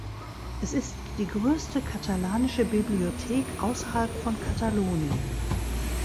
Es ist die größte katalanische Bibliothek außerhalb von Katalonien.